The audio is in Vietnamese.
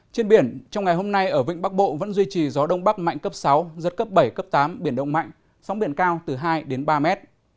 trên biển trong ngày hôm nay ở vịnh bắc bộ vẫn duy trì gió đông bắc mạnh cấp sáu giật cấp bảy cấp tám biển động mạnh sóng biển cao từ hai đến ba mét